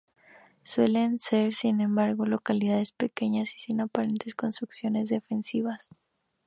Suelen ser sin embargo, localidades pequeñas, y sin aparentes construcciones defensivas.